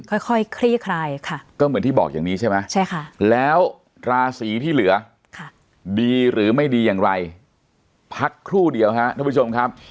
พักครู่เดียวครับท่านผู้ชมครับ